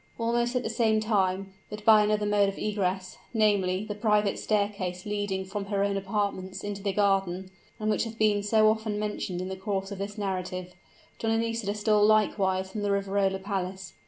Almost at the same time, but by another mode of egress namely, the private staircase leading from her own apartments into the garden, and which has been so often mentioned in the course of this narrative Donna Nisida stole likewise from the Riverola palace.